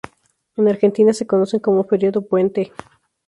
En Argentina se conocen como "feriado puente".